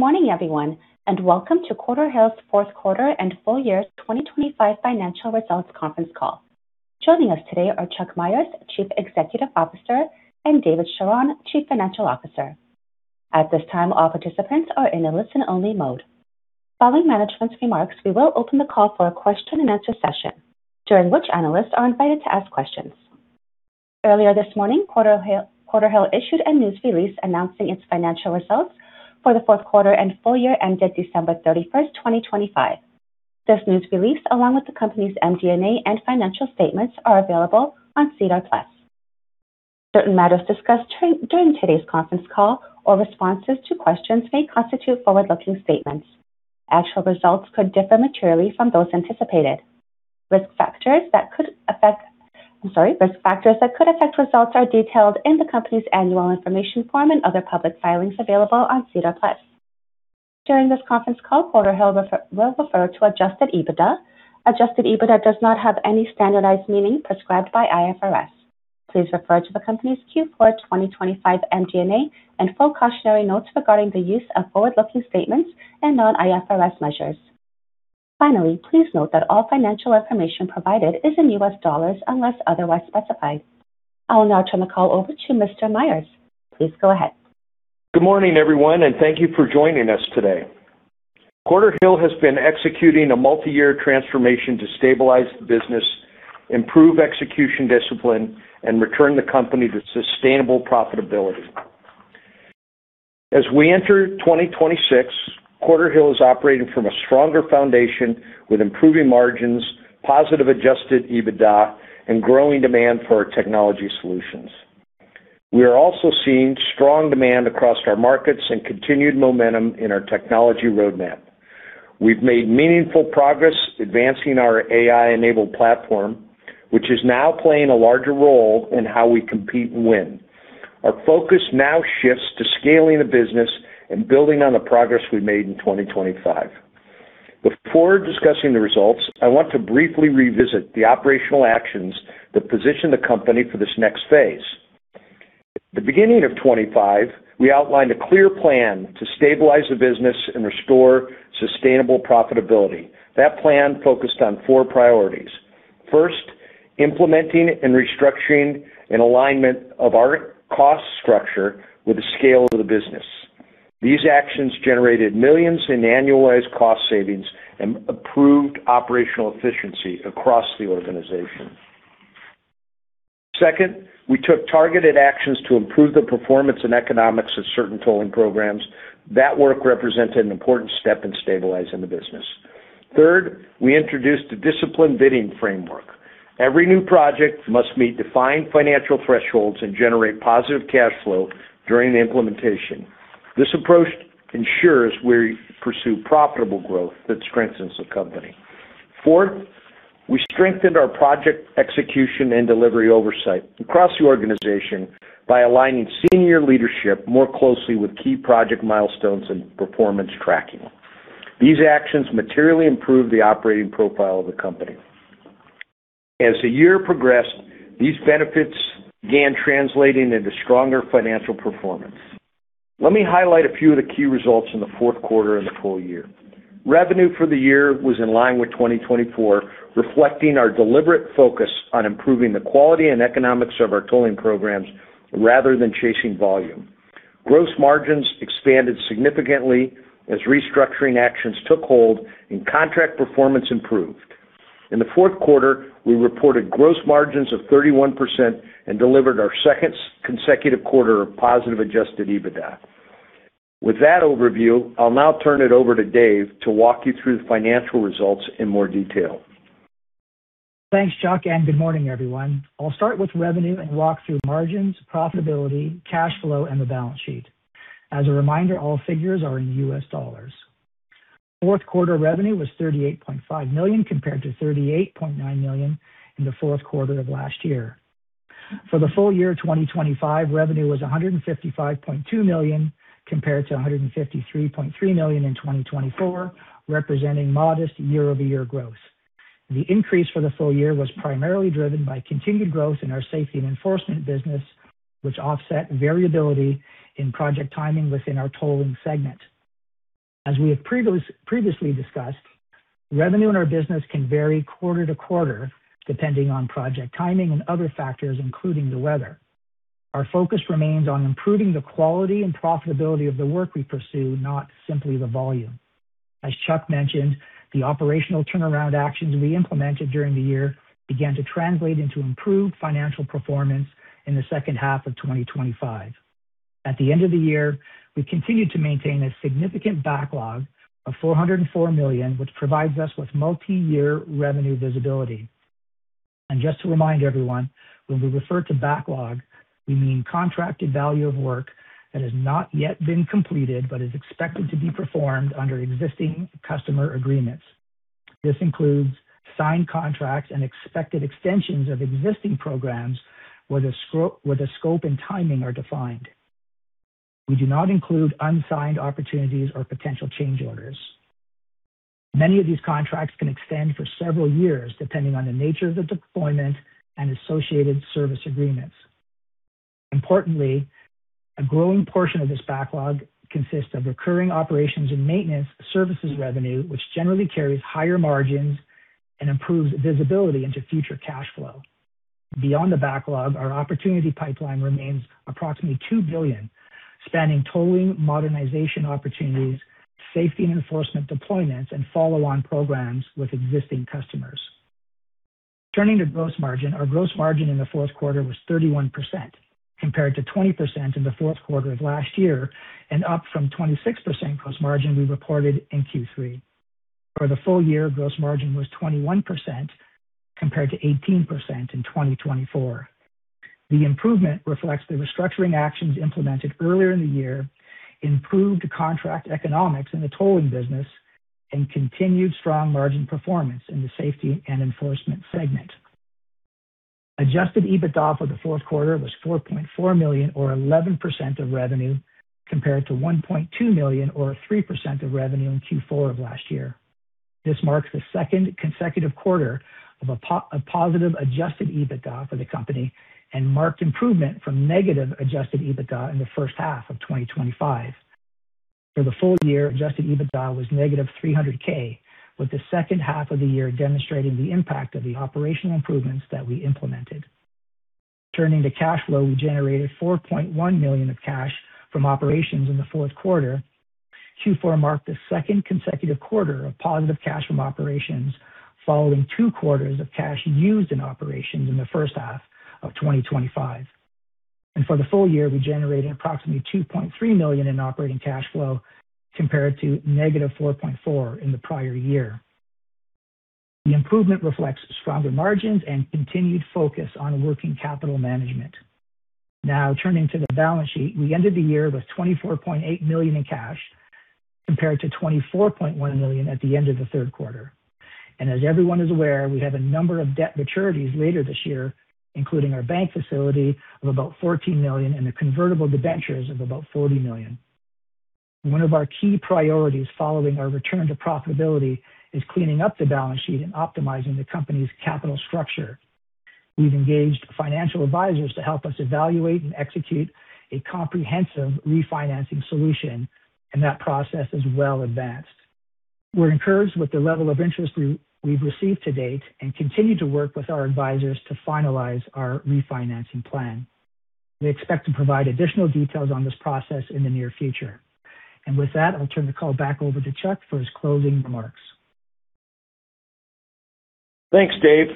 Good morning, everyone, and welcome to Quarterhill's fourth quarter and full year 2025 financial results conference call. Joining us today are Chuck Myers, Chief Executive Officer, and David Charron, Chief Financial Officer. At this time, all participants are in a listen-only mode. Following management's remarks, we will open the call for a question-and-answer session during which analysts are invited to ask questions. Earlier this morning, Quarterhill issued a news release announcing its financial results for the fourth quarter and full year ended December 31, 2025. This news release, along with the company's MD&A and financial statements, are available on SEDAR+. Certain matters discussed during today's conference call or responses to questions may constitute forward-looking statements. Actual results could differ materially from those anticipated. Risk factors that could affect. I'm sorry. Risk factors that could affect results are detailed in the company's annual information form and other public filings available on SEDAR+. During this conference call, Quarterhill will refer to adjusted EBITDA. Adjusted EBITDA does not have any standardized meaning prescribed by IFRS. Please refer to the company's Q4 2025 MD&A and full cautionary notes regarding the use of forward-looking statements and non-IFRS measures. Finally, please note that all financial information provided is in U.S. dollars unless otherwise specified. I will now turn the call over to Mr. Myers. Please go ahead. Good morning, everyone, and thank you for joining us today. Quarterhill has been executing a multi-year transformation to stabilize the business, improve execution discipline, and return the company to sustainable profitability. As we enter 2026, Quarterhill is operating from a stronger foundation with improving margins, positive adjusted EBITDA, and growing demand for our technology solutions. We are also seeing strong demand across our markets and continued momentum in our technology roadmap. We've made meaningful progress advancing our AI-enabled platform, which is now playing a larger role in how we compete and win. Our focus now shifts to scaling the business and building on the progress we made in 2025. Before discussing the results, I want to briefly revisit the operational actions that position the company for this next phase. At the beginning of 25, we outlined a clear plan to stabilize the business and restore sustainable profitability. That plan focused on four priorities. First, implementing and restructuring an alignment of our cost structure with the scale of the business. These actions generated millions in annualized cost savings and improved operational efficiency across the organization. Second, we took targeted actions to improve the performance and economics of certain tolling programs. That work represented an important step in stabilizing the business. Third, we introduced a disciplined bidding framework. Every new project must meet defined financial thresholds and generate positive cash flow during the implementation. This approach ensures we pursue profitable growth that strengthens the company. Fourth, we strengthened our project execution and delivery oversight across the organization by aligning senior leadership more closely with key project milestones and performance tracking. These actions materially improve the operating profile of the company. As the year progressed, these benefits began translating into stronger financial performance. Let me highlight a few of the key results in the fourth quarter and the full year. Revenue for the year was in line with 2024, reflecting our deliberate focus on improving the quality and economics of our tolling programs rather than chasing volume. Gross margins expanded significantly as restructuring actions took hold and contract performance improved. In the fourth quarter, we reported gross margins of 31% and delivered our second consecutive quarter of positive adjusted EBITDA. With that overview, I'll now turn it over to David to walk you through the financial results in more detail. Thanks, Chuck, and good morning, everyone. I'll start with revenue and walk through margins, profitability, cash flow, and the balance sheet. As a reminder, all figures are in U.S. dollars. Fourth quarter revenue was $38.5 million, compared to $38.9 million in the fourth quarter of last year. For the full year 2025, revenue was $155.2 million, compared to $153.3 million in 2024, representing modest year-over-year growth. The increase for the full year was primarily driven by continued growth in our safety and enforcement business, which offset variability in project timing within our tolling segment. As we have previously discussed, revenue in our business can vary quarter to quarter, depending on project timing and other factors, including the weather. Our focus remains on improving the quality and profitability of the work we pursue, not simply the volume. As Chuck mentioned, the operational turnaround actions we implemented during the year began to translate into improved financial performance in the second half of 2025. At the end of the year, we continued to maintain a significant backlog of $404 million, which provides us with multi-year revenue visibility. Just to remind everyone, when we refer to backlog, we mean contracted value of work that has not yet been completed but is expected to be performed under existing customer agreements. This includes signed contracts and expected extensions of existing programs where the scope and timing are defined. We do not include unsigned opportunities or potential change orders. Many of these contracts can extend for several years, depending on the nature of the deployment and associated service agreements. Importantly, a growing portion of this backlog consists of recurring operations and maintenance services revenue, which generally carries higher margins and improves visibility into future cash flow. Beyond the backlog, our opportunity pipeline remains approximately $2 billion, spanning tolling modernization opportunities, safety and enforcement deployments, and follow-on programs with existing customers. Turning to gross margin. Our gross margin in the fourth quarter was 31% compared to 20% in the fourth quarter of last year, and up from 26% gross margin we reported in Q3. For the full year, gross margin was 21% compared to 18% in 2024. The improvement reflects the restructuring actions implemented earlier in the year, improved contract economics in the tolling business, and continued strong margin performance in the safety and enforcement segment. Adjusted EBITDA for the fourth quarter was $4.4 million or 11% of revenue, compared to $1.2 million or 3% of revenue in Q4 of last year. This marks the second consecutive quarter of a positive adjusted EBITDA for the company and marked improvement from negative adjusted EBITDA in the first half of 2025. For the full year, adjusted EBITDA was negative $300K, with the second half of the year demonstrating the impact of the operational improvements that we implemented. Turning to cash flow, we generated $4.1 million of cash from operations in the fourth quarter. Q4 marked the second consecutive quarter of positive cash from operations, following two quarters of cash used in operations in the first half of 2025. For the full year, we generated approximately $2.3 million in operating cash flow compared to negative $4.4 million in the prior year. The improvement reflects stronger margins and continued focus on working capital management. Now, turning to the balance sheet. We ended the year with $24.8 million in cash, compared to $24.1 million at the end of the third quarter. As everyone is aware, we have a number of debt maturities later this year, including our bank facility of about $14 million and the convertible debentures of about $40 million. One of our key priorities following our return to profitability is cleaning up the balance sheet and optimizing the company's capital structure. We've engaged financial advisors to help us evaluate and execute a comprehensive refinancing solution, and that process is well advanced. We're encouraged with the level of interest we've received to date and continue to work with our advisors to finalize our refinancing plan. We expect to provide additional details on this process in the near future. With that, I'll turn the call back over to Chuck for his closing remarks. Thanks, Dave.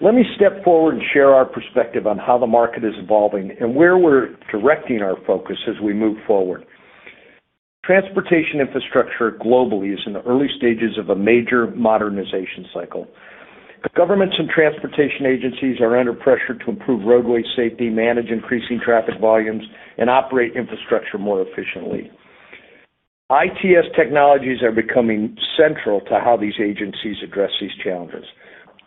Let me step forward and share our perspective on how the market is evolving and where we're directing our focus as we move forward. Transportation infrastructure globally is in the early stages of a major modernization cycle. The governments and transportation agencies are under pressure to improve roadway safety, manage increasing traffic volumes, and operate infrastructure more efficiently. ITS technologies are becoming central to how these agencies address these challenges.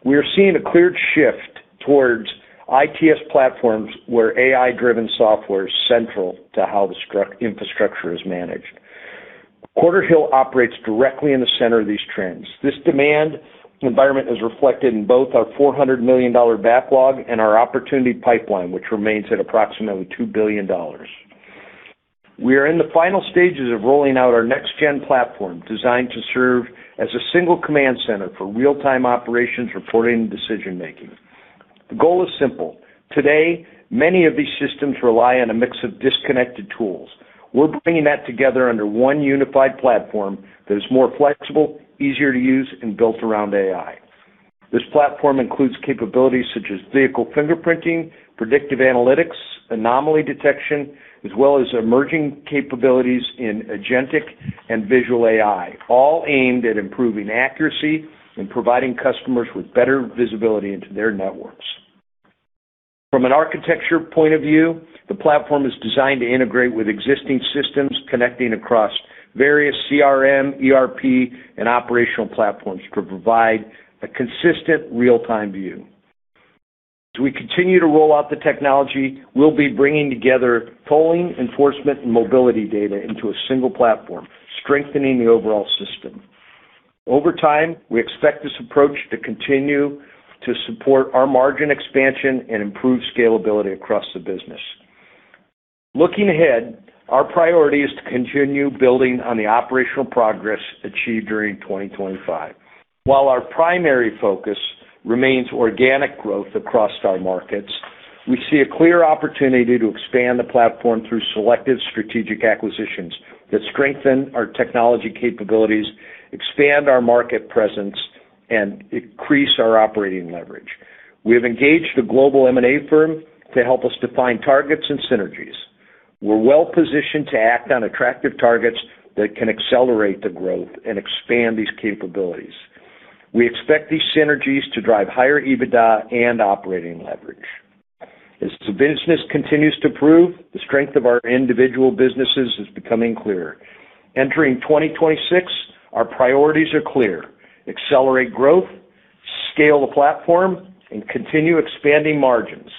We are seeing a clear shift towards ITS platforms where AI-driven software is central to how the infrastructure is managed. Quarterhill operates directly in the center of these trends. This demand environment is reflected in both our $400 million backlog and our opportunity pipeline, which remains at approximately $2 billion. We are in the final stages of rolling out our next gen platform, designed to serve as a single command center for real-time operations, reporting, and decision making. The goal is simple. Today, many of these systems rely on a mix of disconnected tools. We're bringing that together under one unified platform that is more flexible, easier to use, and built around AI. This platform includes capabilities such as vehicle fingerprinting, predictive analytics, anomaly detection, as well as emerging capabilities in agentic and visual AI, all aimed at improving accuracy and providing customers with better visibility into their networks. From an architecture point of view, the platform is designed to integrate with existing systems, connecting across various CRM, ERP, and operational platforms to provide a consistent real-time view. As we continue to roll out the technology, we'll be bringing together tolling, enforcement, and mobility data into a single platform, strengthening the overall system. Over time, we expect this approach to continue to support our margin expansion and improve scalability across the business. Looking ahead, our priority is to continue building on the operational progress achieved during 2025. While our primary focus remains organic growth across our markets, we see a clear opportunity to expand the platform through selective strategic acquisitions that strengthen our technology capabilities, expand our market presence, and increase our operating leverage. We have engaged a global M&A firm to help us define targets and synergies. We're well-positioned to act on attractive targets that can accelerate the growth and expand these capabilities. We expect these synergies to drive higher EBITDA and operating leverage. As the business continues to prove, the strength of our individual businesses is becoming clearer. Entering 2026, our priorities are clear: accelerate growth, scale the platform, and continue expanding margins.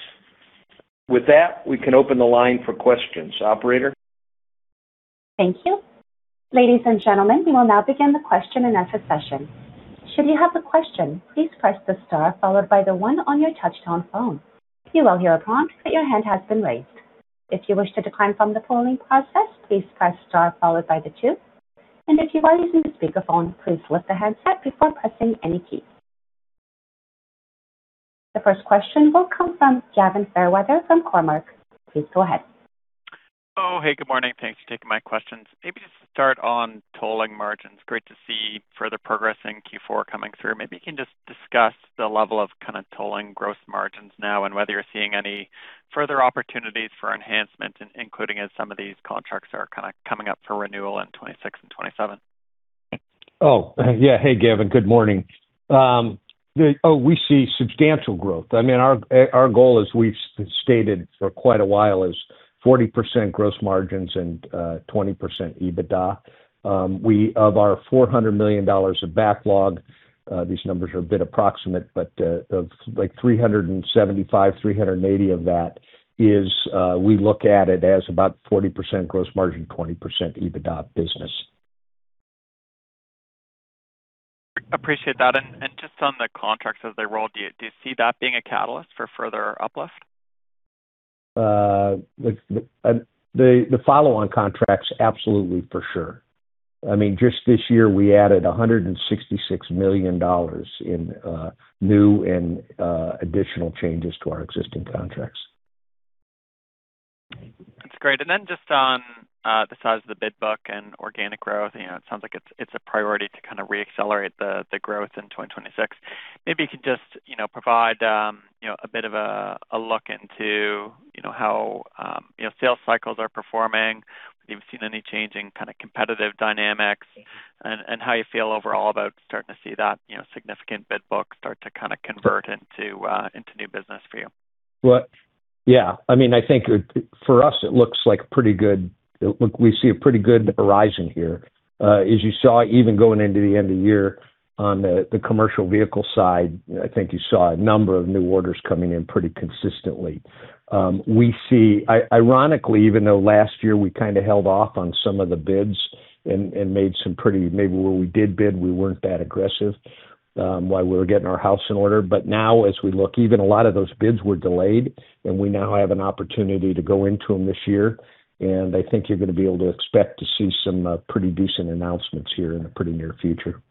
With that, we can open the line for questions. Operator? Thank you. Ladies and gentlemen, we will now begin the question and answer session. Should you have a question, please press the star followed by the one on your touch-tone phone. You will hear a prompt that your hand has been raised. If you wish to decline from the polling process, please press star followed by the two. If you are using the speaker phone, please lift the handset before pressing any key. The first question will come from Gavin Fairweather from Cormark. Please go ahead. Oh, hey, good morning. Thanks for taking my questions. Maybe to start on tolling margins. Great to see further progress in Q4 coming through. Maybe you can just discuss the level of kind of tolling gross margins now and whether you're seeing any further opportunities for enhancement, including as some of these contracts are kinda coming up for renewal in 2026 and 2027. Oh, yeah. Hey, Gavin. Good morning. Oh, we see substantial growth. I mean, our goal, as we've stated for quite a while, is 40% gross margins and 20% EBITDA. Of our $400 million of backlog, these numbers are a bit approximate, but of like $375 million-$380 million of that is we look at it as about 40% gross margin, 20% EBITDA business. Appreciate that. Just on the contracts as they roll, do you see that being a catalyst for further uplift? The follow on contracts, absolutely, for sure. I mean, just this year we added $166 million in new and additional changes to our existing contracts. That's great. Just on the size of the bid book and organic growth, you know, it sounds like it's a priority to kind of re-accelerate the growth in 2026. Maybe you can just, you know, provide, you know, a bit of a look into, you know, how sales cycles are performing. If you've seen any change in kind of competitive dynamics, and how you feel overall about starting to see that, you know, significant bid book start to kind of convert into into new business for you. Well, yeah, I mean, I think for us, it looks like pretty good. Look, we see a pretty good horizon here. As you saw, even going into the end of year on the commercial vehicle side, I think you saw a number of new orders coming in pretty consistently. We see, ironically, even though last year we kind of held off on some of the bids and made some pretty, maybe where we did bid, we weren't that aggressive, while we were getting our house in order. Now as we look, even a lot of those bids were delayed, and we now have an opportunity to go into them this year. I think you're gonna be able to expect to see some pretty decent announcements here in the pretty near future.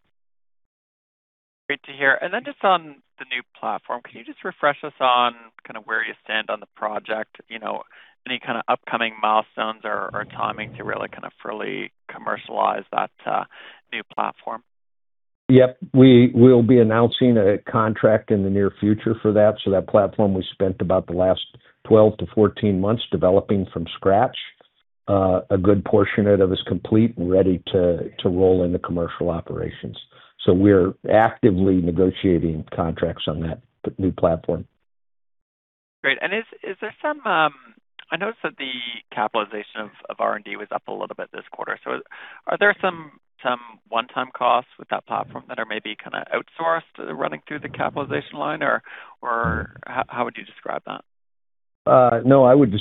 Great to hear. Just on the new platform, can you just refresh us on kind of where you stand on the project? You know, any kind of upcoming milestones or timing to really kind of fully commercialize that new platform? Yep. We will be announcing a contract in the near future for that. That platform we spent about the last 12-14 months developing from scratch. A good portion of it is complete and ready to roll into commercial operations. We're actively negotiating contracts on that new platform. Great. I noticed that the capitalization of R&D was up a little bit this quarter. Are there some one-time costs with that platform that are maybe kind of outsourced running through the capitalization line or how would you describe that? No, I would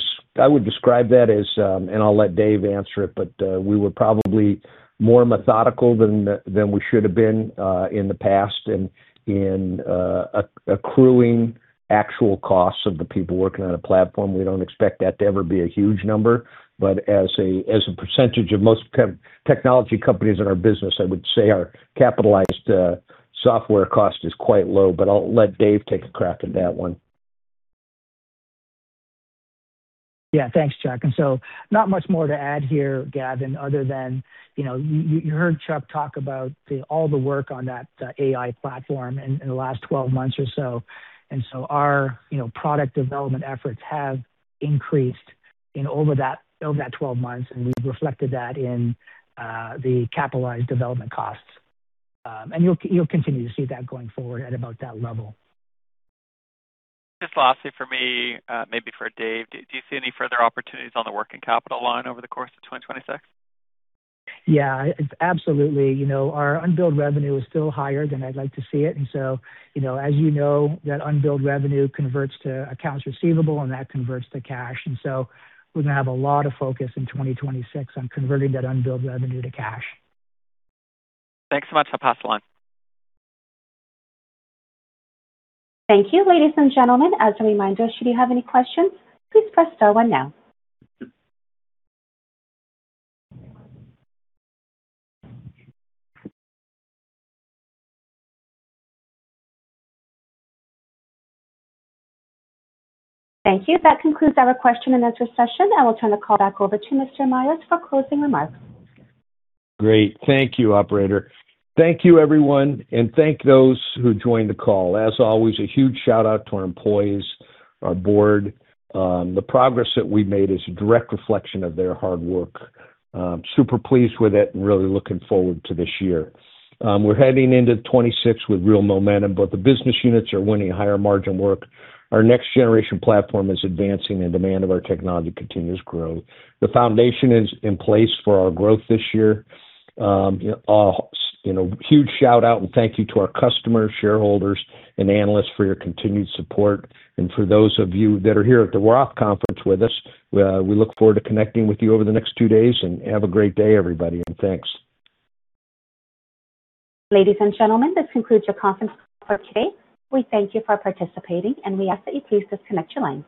describe that as, and I'll let Dave answer it, but we were probably more methodical than we should have been in the past in accruing actual costs of the people working on a platform. We don't expect that to ever be a huge number. As a percentage of most technology companies in our business, I would say our capitalized software cost is quite low. I'll let Dave take a crack at that one. Yeah. Thanks, Chuck. Not much more to add here, Gavin, other than, you know, you heard Chuck talk about all the work on that AI platform in the last 12 months or so. Our, you know, product development efforts have increased in over that 12 months, and we've reflected that in the capitalized development costs. You'll continue to see that going forward at about that level. Just lastly for me, maybe for Dave. Do you see any further opportunities on the working capital line over the course of 2026? Yeah, absolutely. You know, our unbilled revenue is still higher than I'd like to see it. You know, as you know, that unbilled revenue converts to accounts receivable, and that converts to cash. We're gonna have a lot of focus in 2026 on converting that unbilled revenue to cash. Thanks so much. I'll pass along. Thank you. Ladies and gentlemen, as a reminder, should you have any questions, please press star one now. Thank you. That concludes our question and answer session. I will turn the call back over to Mr. Myers for closing remarks. Great. Thank you, operator. Thank you, everyone, and thank those who joined the call. As always, a huge shout-out to our employees, our board. The progress that we've made is a direct reflection of their hard work. Super pleased with it and really looking forward to this year. We're heading into 2026 with real momentum. Both the business units are winning higher margin work. Our next generation platform is advancing, and demand for our technology continues to grow. The foundation is in place for our growth this year. You know, huge shout out and thank you to our customers, shareholders and analysts for your continued support. For those of you that are here at the ROTH Conference with us, we look forward to connecting with you over the next two days and have a great day, everybody, and thanks. Ladies and gentlemen, this concludes our conference for today. We thank you for participating, and we ask that you please disconnect your lines.